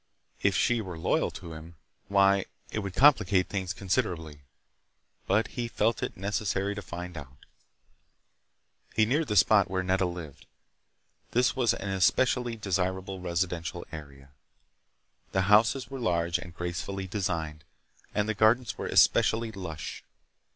If she were loyal to him—why it would complicate things considerably. But he felt it necessary to find out. He neared the spot where Nedda lived. This was an especially desirable residential area. The houses were large and gracefully designed, and the gardens were especially lush.